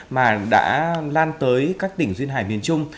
mà đã lan tới các tỉnh duyên hải miền trung